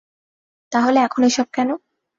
তাহলে এখন এসব কেন?